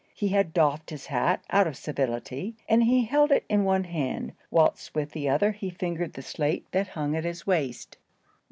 He had doffed his hat, out of civility, and he held it in one hand, whilst with the other he fingered the slate that hung at his waist.